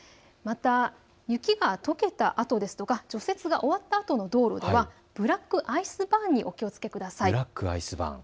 また雪がとけたあとですとか除雪が終わったあとの道路ではブラックアイスバーンにお気をつけください。